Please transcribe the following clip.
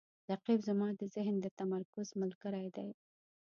رقیب زما د ذهن د تمرکز ملګری دی